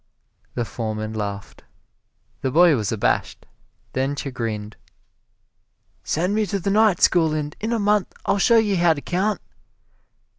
The foreman laughed. The boy was abashed, then chagrined. "Send me to the night school and in a month I'll show you how to count!"